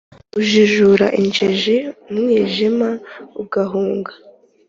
Ujijura injiji umwijima ugahunga,